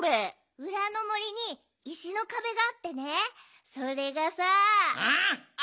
うらの森にいしのかべがあってねそれがさあ。